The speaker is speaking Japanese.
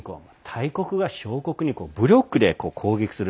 大国が小国に武力で攻撃する。